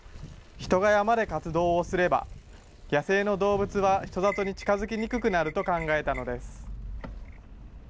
人が山で活動をすれば、野生の動物は人里に近づきにくくなると考えたのです。